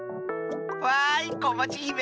わいこまちひめ。